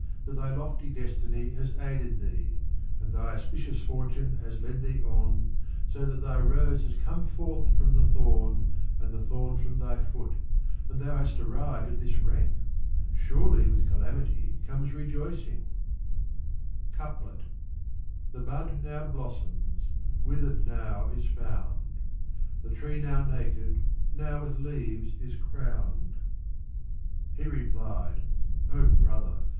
that thy lofty destiny has aided thee, and thy auspicious fortune has led thee on, so that thy rose has come forth from the thorn, and the thorn from thy foot, and thou hast arrived at this rank^ ' surefy with calamify €omi$ rejoicing^ * CoupicL The bud now blossoms; withered now is found : The tree now naked ; now with leaves is crowned*" He repliedi '* O brother